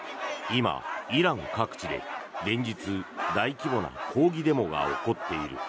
今、イラン各地で連日、大規模な抗議デモが起こっている。